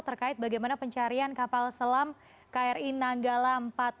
terkait bagaimana pencarian kapal selam kri nanggala empat ratus dua